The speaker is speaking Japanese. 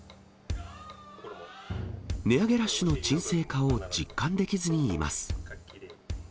値上げラッシュの沈静化を実感できずにいます。